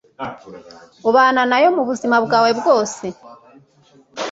ubana nayo mu buzima bwawe bwose.